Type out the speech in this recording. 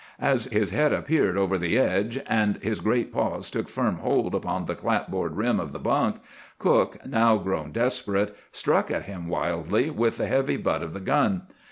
As his head appeared over the edge, and his great paws took firm hold upon the clapboard rim of the bunk, cook, now grown desperate, struck at him wildly with the heavy butt of the gun.